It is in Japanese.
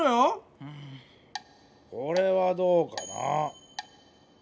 これはどうかな？